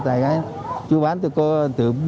tại cái chú bán từ